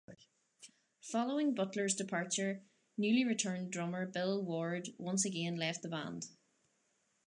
Following Butler's departure, newly returned drummer Bill Ward once again left the band.